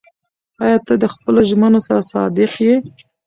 ایا ته د خپلو ژمنو سره صادق یې؟